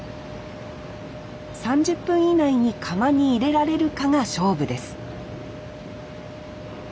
３０分以内に釜に入れられるかが勝負です